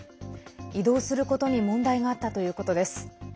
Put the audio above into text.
移動することに問題があったということです。